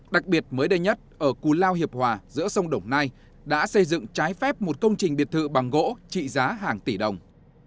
đặc biệt mới đây nhất ở cù lao hiệp hòa giữa sông đồng nai đã xây dựng trái phép một công trình biệt thự bằng gỗ trị giá hàng tỷ đồng